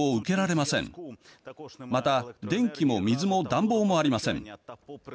また、電気も水も暖房もありません。